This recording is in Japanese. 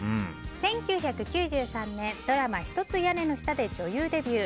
１９９３年ドラマ「ひとつ屋根の下」で女優デビュー。